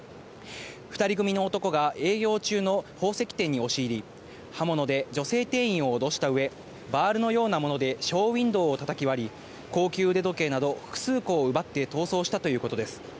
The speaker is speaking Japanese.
２人組の男が営業中の宝石店に押し入り、刃物で女性店員を脅したうえ、バールのようなものでショーウインドーをたたき割り、高級腕時計など複数個を奪って逃走したということです。